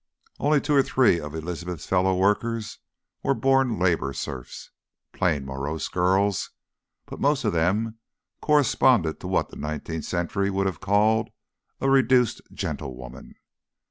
Only two or three of Elizabeth's fellow workers were born labour serfs; plain, morose girls, but most of them corresponded to what the nineteenth century would have called a "reduced" gentlewoman.